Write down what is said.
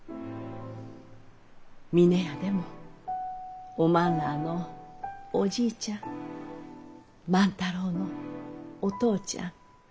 峰屋でもおまんらのおじいちゃん万太郎のお父ちゃん